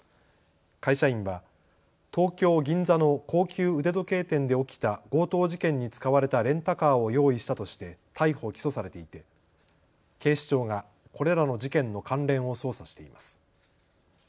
会社員は東京銀座の高級腕時計店で起きた強盗事件に使われたレンタカーを用意したとして逮捕・起訴されていて警視庁がこれらの事件の関連を捜査しています。